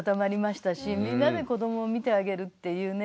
みんなで子どもを見てあげるっていうね